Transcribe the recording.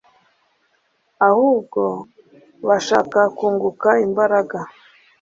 ahubwo bashaka kunguka imbaraga